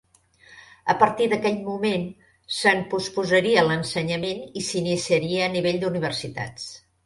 A partir d'aquell moment, se'n posposaria l'ensenyament i s'iniciaria a nivell d'universitats.